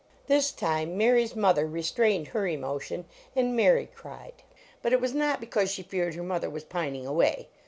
This time Mary s mother restrained her emotion, and Mary cried. But it was not because she feared her mother was pining away.